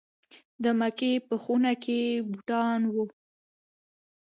د مکې په خونه کې بوتان وو.